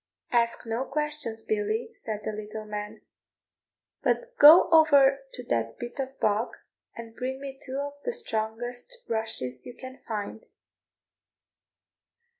"Ask no questions, Billy," said the little man, "but go over to that bit of bog, and bring me two of the strongest rushes you can find."